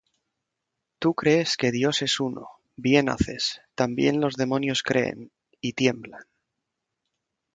Tú crees que Dios es uno; bien haces: también los demonios creen, y tiemblan.